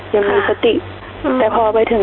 ยังมีสติแต่พอไปถึง